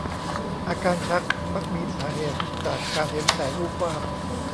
อาการชักมักมีสาเหตุจากการเห็นแสงวูบวาบ